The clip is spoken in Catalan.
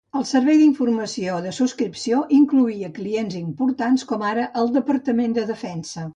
El servei d'informació de subscripció incloïa clients importants, com ara el Departament de Defensa.